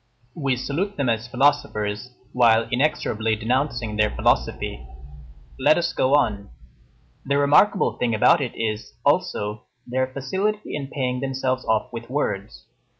We salute them as philosophers, while inexorably denouncing their philosophy. Let us go on. The remarkable thing about it is, also, their facility in paying themselves off with words.